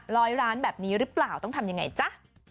ร้อยร้านแบบนี้หรือเปล่าต้องทำยังไงจ๊ะ